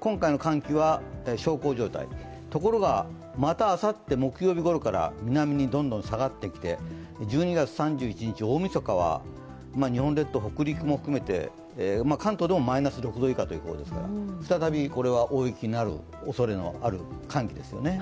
今回の寒気は小康状態、ところがまたあさって木曜日ごろから南にどんどん下がってきて、１２月３１日、大みそかは日本列島、北陸も含めて、関東でもマイナス６度以下ですから再びこれは大雪になるおそれのある寒気ですよね。